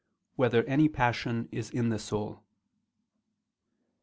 1] Whether Any Passion Is in the Soul?